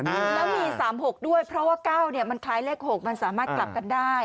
แล้วมี๓๖ด้วยเพราะว่า๙เนี่ยมันคล้ายเลข๖มันสามารถกลับกันได้